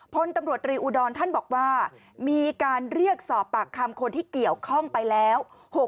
พลตำรวจตรีอุดรท่านบอกว่ามีการเรียกสอบปากคำคนที่เกี่ยวข้องไปแล้ว